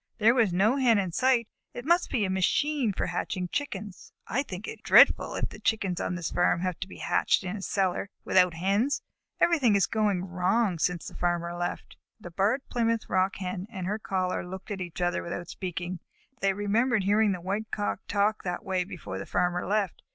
There was no Hen in sight. It must be a machine for hatching Chickens. I think it is dreadful if the Chickens on this farm have to be hatched in a cellar, without Hens. Everything is going wrong since the Farmer left." The Barred Plymouth Rock Hen and her caller looked at each other without speaking. They remembered hearing the White Cock talk in that way before the Farmer left.